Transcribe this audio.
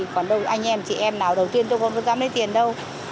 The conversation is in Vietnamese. còn đâu anh em chị em nào đầu tiên tôi con có dám lấy tiền đâu